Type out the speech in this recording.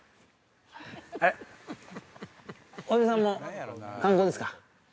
おじさんも観光ですか？